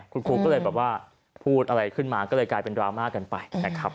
คุณครูก็เลยแบบว่าพูดอะไรขึ้นมาก็เลยกลายเป็นดราม่ากันไปนะครับ